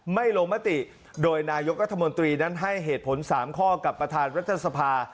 ไม่โลมมิตรีโดยนายกรรภบอัตตามนตรีห่านนให้เหตุผลสามข้อกับประธานรัฐสภา